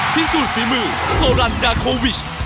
พิสูจน์ฝีมือโซรันดาโควิช